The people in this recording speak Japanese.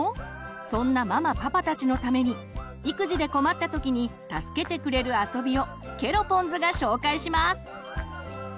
そんなママ・パパたちのために育児で困った時に助けてくれるあそびをケロポンズが紹介します。